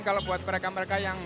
kalau buat mereka mereka yang